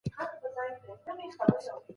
ډیپلوماسي د نړیوال باور لپاره ده.